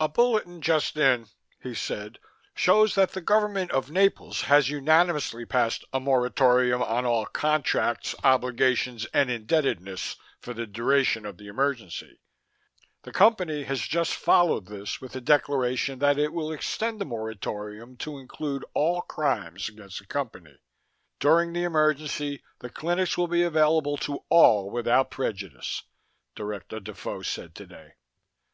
"A bulletin just in," he said, "shows that the government of Naples has unanimously passed a moritorium on all contracts, obligations and indebtedness for the duration of the emergency. The Company has just followed this with a declaration that it will extend the moritorium to include all crimes against the Company. During the emergency, the clinics will be available to all without prejudice, Director Defoe said today."